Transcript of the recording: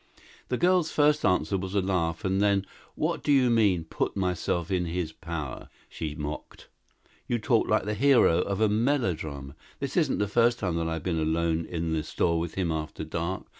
The girl's first answer was a laugh, and then, "What do you mean, 'put myself in his power'?" she mocked. "You talk like the hero of a melodrama. This isn't the first time that I've been alone in the store with him after dark.